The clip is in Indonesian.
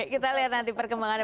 kita lihat nanti perkembangan